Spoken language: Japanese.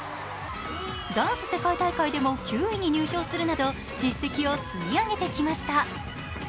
ダンス世界大会でも９位に入賞するなど、実績を積み上げてきました。